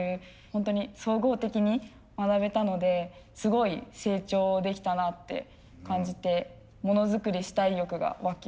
ホントに総合的に学べたのですごい成長できたなって感じてモノづくりしたい欲が湧きました。